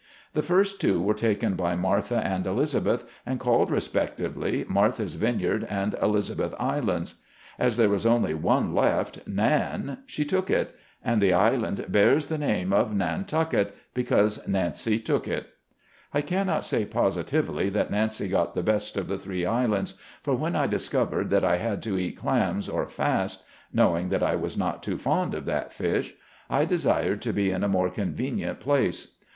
The first two were taken by Martha and Elizabeth, and called respectively, Martha's Vineyard, and Eliza beth Islands. As there was only one left, "Nan," IN MANY FIELDS. 125 she took it; and the island bears the name of Nantucket, because Nancy took it. I cannot say positively that Nancy got the best of the three islands, for when I discovered that I had to eat clams or fast — knowing that I was not too fond of that fish — I desired to be in a more convenient place.